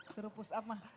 seru pusat mah